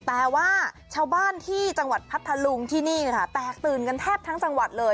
แต่ว่าชาวบ้านที่จังหวัดพัทธลุงที่นี่ค่ะแตกตื่นกันแทบทั้งจังหวัดเลย